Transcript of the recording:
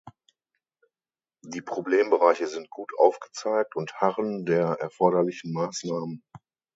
Die Problembereiche sind gut aufgezeigt und harren der erforderlichen Maßnahmen.